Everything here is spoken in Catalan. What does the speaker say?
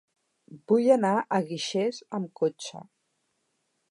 Vull anar a Guixers amb cotxe.